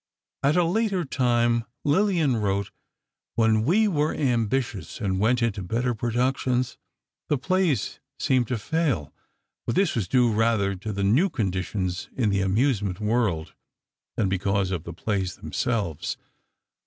At a later time, Lillian wrote: "When we were ambitious and went into better productions, the plays seemed to fail." But this was due rather to the new conditions in the amusement world, than because of the plays themselves.